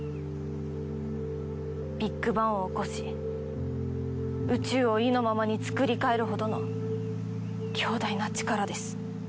ビッグバンを起こし宇宙を意のままにつくり替えるほどの強大な力です。